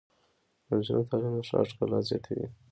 د نجونو تعلیم د ښار ښکلا زیاتوي.